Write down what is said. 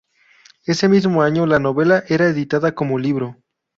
Ese mismo año la novela era editada como libro.